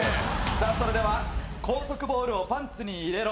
それでは「高速ボールをパンツに入れろ！」。